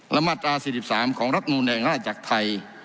และมาตรา๔๓ของรัฐมนูลแห่งราชจักรไทย